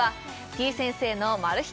てぃ先生のマル秘